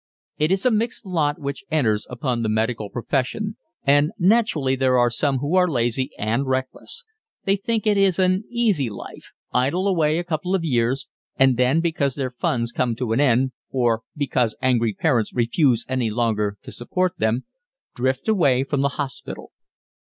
It is a mixed lot which enters upon the medical profession, and naturally there are some who are lazy and reckless. They think it is an easy life, idle away a couple of years; and then, because their funds come to an end or because angry parents refuse any longer to support them, drift away from the hospital.